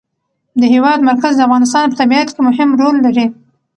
د هېواد مرکز د افغانستان په طبیعت کې مهم رول لري.